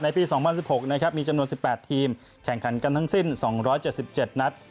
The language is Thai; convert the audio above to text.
ปี๒๐๑๖นะครับมีจำนวน๑๘ทีมแข่งขันกันทั้งสิ้น๒๗๗นัด